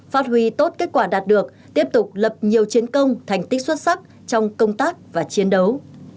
phát huy tốt kết quả đạt được tiếp tục lập nhiều chiến công thành tích xuất sắc trong công tác và chiến đấu